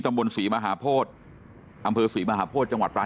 บนศรีมหาโพธิอำเภอศรีมหาโพธิจังหวัดปลา